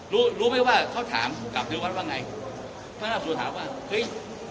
รู้รู้ไหมว่าเขาถามภูกกับเทศวัฒน์ว่าไงพระนักศูนย์ถามว่าเฮ้ย